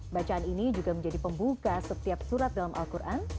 bacaan ini juga menjadi pembuka setiap surat dalam al quran